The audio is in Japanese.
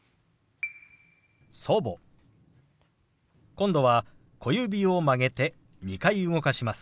今度は小指を曲げて２回動かします。